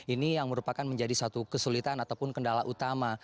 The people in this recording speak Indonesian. ini yang merupakan menjadi satu kesulitan ataupun kendala utama